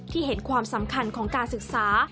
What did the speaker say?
เห็นความสำคัญของการศึกษา